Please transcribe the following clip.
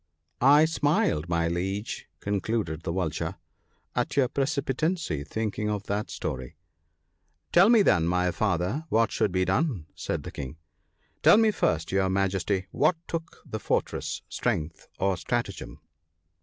I smiled, my Liege," concluded the Vulture, " at your precipitancy, thinking of that story." " Tell me, then, my Father, what should be done," said the King. "Tell me first, your Majesty, what took the fortress, strength or stratagem